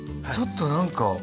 ちょっと何か。